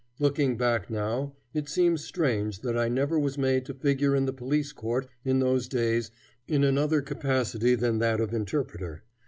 Looking back now, it seems strange that I never was made to figure in the police court in those days in another capacity than that of interpreter.